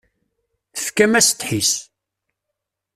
Tefkam-as ddḥis.